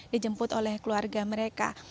dijemput oleh keluarga mereka